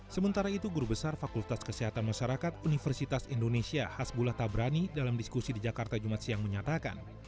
sementara itu guru besar fakultas kesehatan masyarakat universitas indonesia hasbullah tabrani dalam diskusi di jakarta jumat siang menyatakan